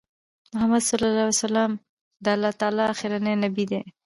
محمد صلی الله عليه وسلم د الله تعالی آخرنی نبی دی